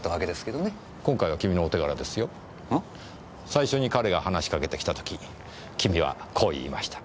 最初に彼が話しかけてきた時君はこう言いました。